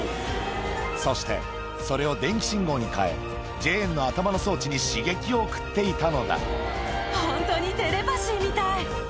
そして、それを電気信号に変え、ジェーンの頭の装置に刺激を送っていたの本当にテレパシーみたい。